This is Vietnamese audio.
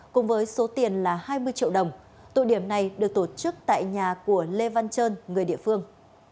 cùng với số tiền là hai mươi triệu đồng tụ điểm này được tổ chức tại nhà của lê văn trơn người địa phương